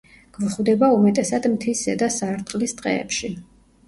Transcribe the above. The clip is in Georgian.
გვხვდება უმეტესად მთის ზედა სარტყლის ტყეებში.